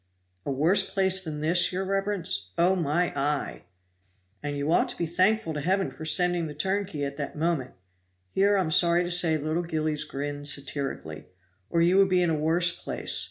"A worse place than this, your reverence! Oh, my eye!" "And you ought to be thankful to Heaven for sending the turnkey at that moment (here I'm sorry to say little Gillies grinned satirically), or you would be in a worse place.